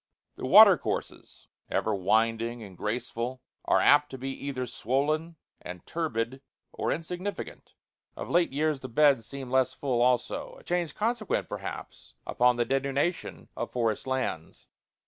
The watercourses, ever winding and graceful, are apt to be either swollen and turbid or insignificant; of late years the beds seem less full also a change consequent, perhaps, upon the denudation of forest lands.